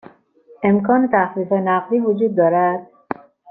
امکان تخفیف نقدی وجود دارد؟